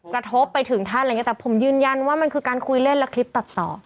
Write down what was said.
กระทบไปถึงท่านอะไรอย่างนี้แต่ผมยืนยันว่ามันคือการคุยเล่นและคลิปตัดต่อ